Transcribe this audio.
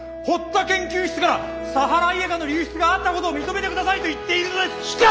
堀田研究室からサハライエカの流出があったことを認めてくださいと言っているのです！